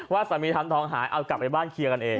สามีทำทองหายเอากลับไปบ้านเคลียร์กันเอง